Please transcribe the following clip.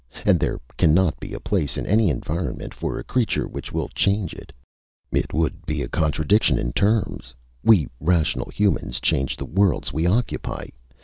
And there cannot be a place in any environment for a creature which will change it. It would be a contradiction in terms! We rational humans change the worlds we occupy!